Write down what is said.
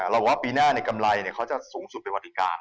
เราว่าปีหน้าในกำไรเขาจะสูงสุดเป็นวัสดิการ